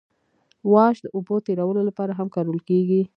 واش د اوبو تیرولو لپاره هم کارول کیږي